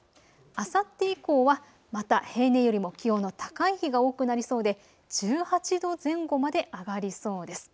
あさって以降はまた平年よりも気温の高い日が多くなりそうで１８度前後まで上がりそうです。